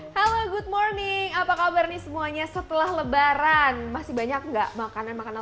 halo good morning apa kabar nih semuanya setelah lebaran masih banyak enggak makanan makanan